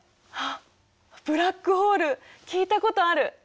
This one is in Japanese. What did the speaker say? ブラックホール聞いたことある。